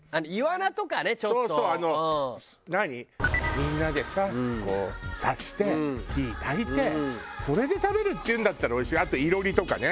みんなでさ刺して火たいてそれで食べるっていうんだったらおいしいあと囲炉裏とかね。